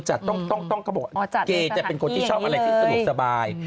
จะต้องเขาบอกว่าเกย์จะเป็นคนที่ชอบอะไรที่สะดวกสบาย